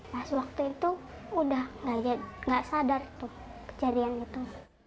pas waktu itu udah gak sadar tuh kejadian itu